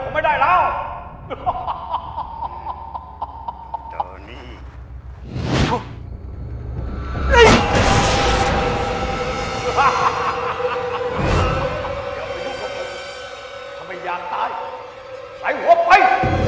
อย่าไปดูพวกผมถ้าไม่อยากตายใส่หัวไป